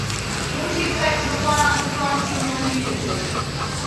What was the effect of the financial crisis on your community?